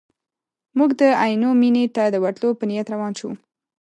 موږ د عینو مینې ته د ورتلو په نیت روان شوو.